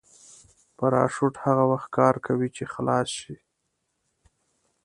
پراشوټ هغه وخت کار کوي چې خلاص شي.